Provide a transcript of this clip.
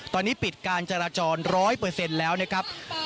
ตอนนี้ปิดการจราจรรย์ร้อยเปอร์เซ็นต์แล้วนะครับ